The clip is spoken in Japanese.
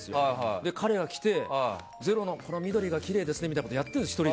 で、彼が来て「ｚｅｒｏ」の緑がきれいですねみたいなことをやっているんですよ。